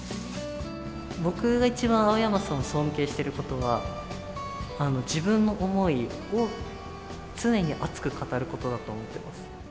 僕が一番青山さんを尊敬してることは自分の思いを常に熱く語ることだと思ってます